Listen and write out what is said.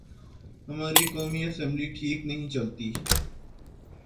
ہماری قومی اسمبلی ٹھیک نہیں چلتی۔